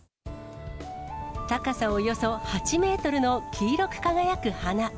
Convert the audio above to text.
高さおよそ８メートルの黄色く輝く花。